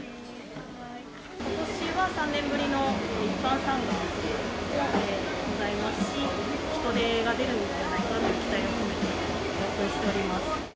ことしは３年ぶりの一般参賀がございますし、人出が出るのではないかという期待を込めてオープンしております。